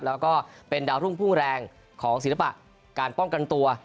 แล้วก็เป็นดาวรุ่งพุ่งแรงของศิลปะการป้องกันตัว